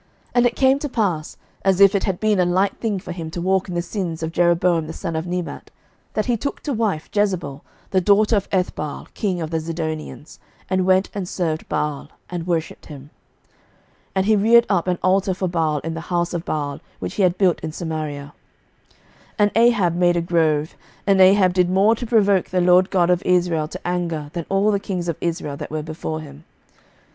11:016:031 And it came to pass, as if it had been a light thing for him to walk in the sins of Jeroboam the son of Nebat, that he took to wife Jezebel the daughter of Ethbaal king of the Zidonians, and went and served Baal, and worshipped him. 11:016:032 And he reared up an altar for Baal in the house of Baal, which he had built in Samaria. 11:016:033 And Ahab made a grove; and Ahab did more to provoke the LORD God of Israel to anger than all the kings of Israel that were before him.